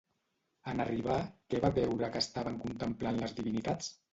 En arribar, què va veure que estaven contemplant les divinitats?